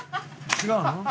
違うの？